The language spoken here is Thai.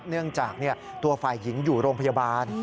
เนื่องจากตัวฝ่ายหญิงอยู่โรงพยาบาล